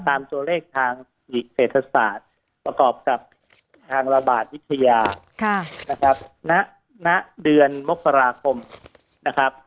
ตามตัวเลขทางศิษย์เศรษฐศาสตร์ประกอบกับทางระบาดวิทยานะครับ